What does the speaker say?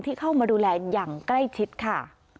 เข้ามาดูแลอย่างใกล้ชิดค่ะ